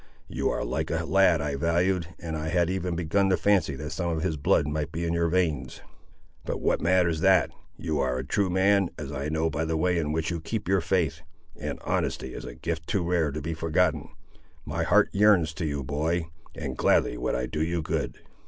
You are like a lad I valued, and I had even begun to fancy that some of his blood might be in your veins. But what matters that? You are a true man, as I know by the way in which you keep your faith; and honesty is a gift too rare to be forgotten. My heart yearns to you, boy, and gladly would I do you good."